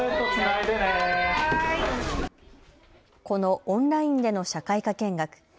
このオンラインでの社会科見学。